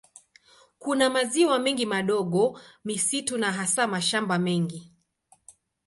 Kuna maziwa mengi madogo, misitu na hasa mashamba mengi.